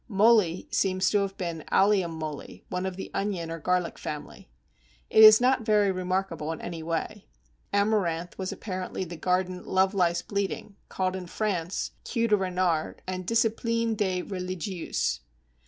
Moly seems to have been Allium moly, one of the onion or garlic family. It is not very remarkable in any way. Amaranth was apparently the garden Love lies bleeding, called in France Queue de Renard and Discipline de Religieuse.